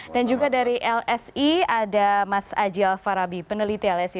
dan juga dari lsi ada mas aji alfarabi peneliti lsi